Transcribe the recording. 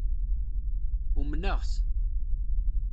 Umneɣ-t.